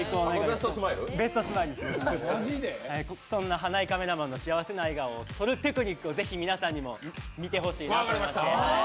そんな花井カメラマンの幸せな笑顔をぜひ、皆さんにも見てほしいなと思いました。